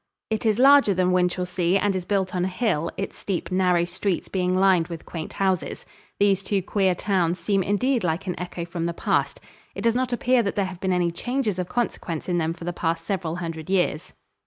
It is larger than Winchelsea and is built on a hill, its steep, narrow streets being lined with quaint houses. These two queer towns seem indeed like an echo from the past. It does not appear that there have been any changes of consequence in them for the past several hundred years.